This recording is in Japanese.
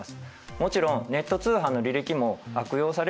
もちろんネット通販の履歴も悪用されると。